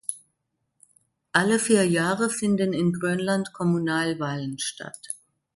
Alle vier Jahre finden in Grönland Kommunalwahlen statt.